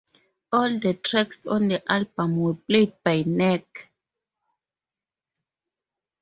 All the tracks on the album were played by Nek.